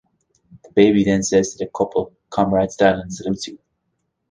The baby then says to the couple Comrade Stalin salutes you!